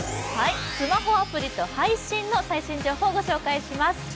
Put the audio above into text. スマホアプリと配信の最新情報をご紹介します。